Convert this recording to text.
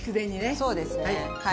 そうですねはい。